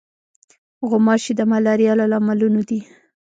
غوماشې د ملاریا له لاملونو دي.